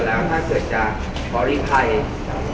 นั้นไปใช่ไหมครับ